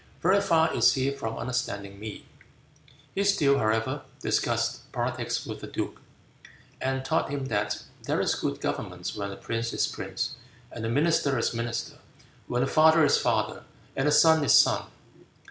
Very far is he from understanding me." He still, however, discussed politics with the duke, and taught him that "There is good government when the prince is prince, and the minister is minister; when the father is father, and the son is son."